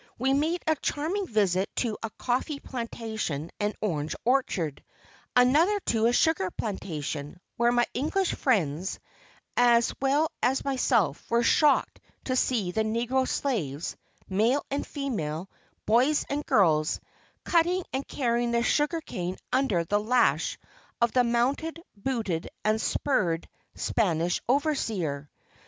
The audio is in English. We made a charming visit to a coffee plantation and orange orchard; another to a sugar plantation, where my English friends, as well as myself, were shocked to see the negro slaves, male and female, boys and girls, cutting and carrying the sugar cane under the lash of the mounted, booted, and spurred Spanish overseer.